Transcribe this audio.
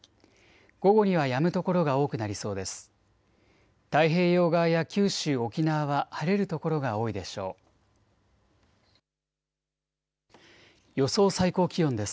午後にはやむ所が多くなりそうです。